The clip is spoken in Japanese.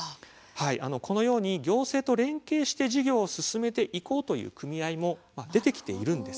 このように行政と連携して事業を進めていこうという組合も出てきているんです。